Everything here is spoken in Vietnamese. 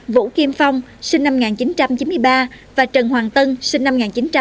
vũ kim phong sinh năm một nghìn chín trăm chín mươi ba và trần hoàng tân sinh năm một nghìn chín trăm tám mươi